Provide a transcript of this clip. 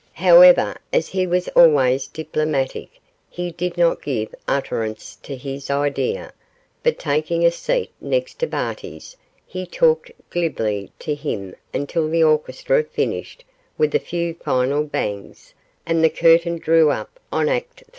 However, as he was always diplomatic, he did not give utterance to his idea, but taking a seat next to Barty's, he talked glibly to him until the orchestra finished with a few final bangs, and the curtain drew up on Act III.